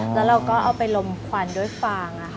แล้วเราก็เอาไปลมควันด้วยฟาง